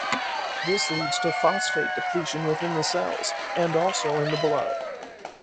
This leads to phosphate depletion within the cells, and also in the blood.